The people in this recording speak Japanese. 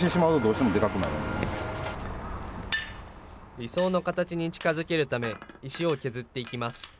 理想の形に近づけるため、石を削っていきます。